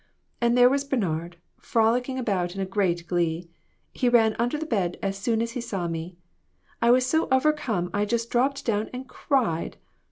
And there was Bernard frolicking about in great glee. He ran under the bed as soon as he saw me. I was so overcome I just dropped down and cried.